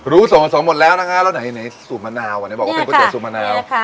รู้ส่วนผัวสองหมดแล้วนะคะแล้วไหนสูบมะนาวอันนี้บอกว่าเป็นก๋วยเตี๋ยวสูบมะนาว